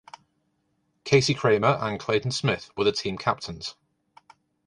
Casey Cramer and Clayton Smith were the team captains.